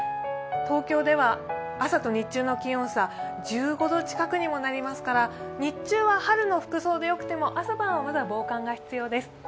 東京では朝と日中の気温差１５度近くにもなりますから日中は春の服装でよくても朝晩はまだ防寒が必要です。